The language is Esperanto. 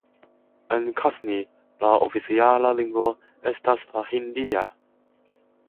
En Katni la oficiala lingvo estas la hindia.